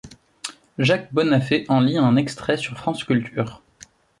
Jacques Bonnaffé en lit un extrait sur France Culture.